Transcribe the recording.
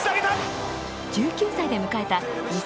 １９歳で迎えた